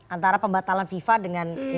antara pembatalan fifa dengan fifa